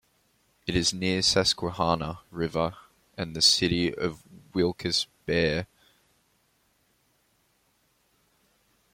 It is near the Susquehanna River and the city of Wilkes-Barre.